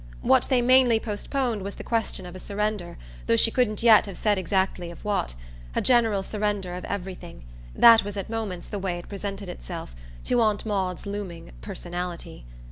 What they mainly postponed was the question of a surrender, though she couldn't yet have said exactly of what: a general surrender of everything that was at moments the way it presented itself to Aunt Maud's looming "personality."